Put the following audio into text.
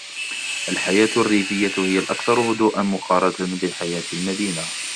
الحياة الريفية هي الأكثر هدوءًً مقارنةً بحياة المدينة.